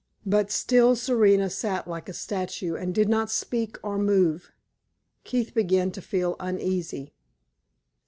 But still Serena sat like a statue and did not speak or move. Keith began to feel uneasy.